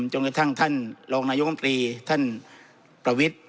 จนกระทั่งท่านรองนายกรรมตรีท่านประวิทธิ์